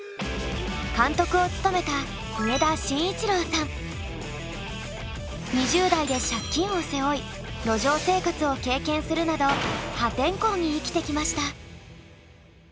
監督を務めた２０代で借金を背負い路上生活を経験するなど破天荒に生きてきました。